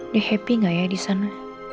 dia happy gak ya di sana